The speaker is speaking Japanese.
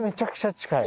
近い。